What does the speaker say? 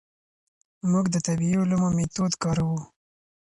موږ د طبیعي علومو میتود کاروو.